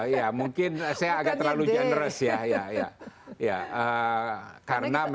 ya mungkin saya agak terlalu generas ya